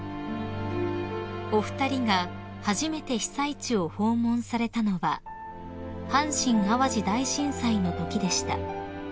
［お二人が初めて被災地を訪問されたのは阪神・淡路大震災のときでした］